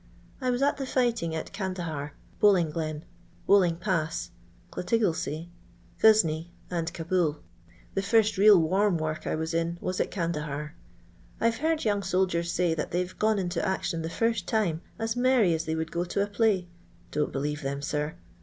I was at the fighting at Candahar, Bowlinglen, Bowling pass, Clatigillsy, Ghnsneef and Caboul. The first real warm woric I was in was at Candahar. I 've heard young soldien say that they've gone into action the fint time as merry as they would go to a play. Don't believe them, sir.